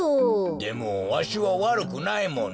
でもわしはわるくないもんね。